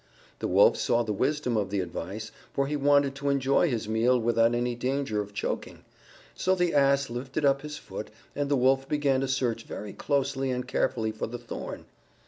The Wolf saw the wisdom of the advice, for he wanted to enjoy his meal without any danger of choking. So the Ass lifted up his foot and the Wolf began to search very closely and carefully for the thorn.